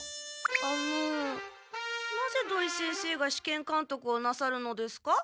あのなぜ土井先生が試験監督をなさるのですか？